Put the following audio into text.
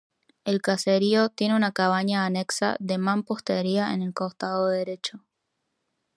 El caserío tiene una cabaña anexa de mampostería en el costado derecho.